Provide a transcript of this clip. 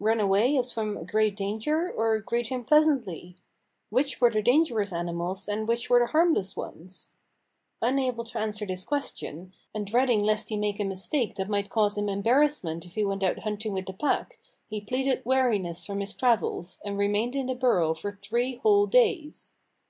Run away as from a great danger, or greet him pleasantly? Which were the dangerous ani mals, and which were the harmless ones? Unable to answer this question, and dreading lest he make a mistake that might cause him em barrassment if he went out hunting with the pack, he pleaded weariness from his travels, and re mained in the burrow for three whole days.